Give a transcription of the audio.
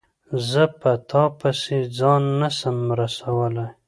زه په تا پسي ځان نه سم رسولای